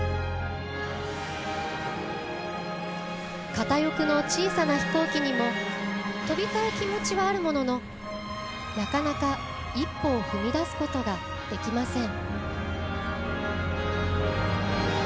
片翼の小さな飛行機にも飛びたい気持ちはあるもののなかなか一歩を踏み出すことができません。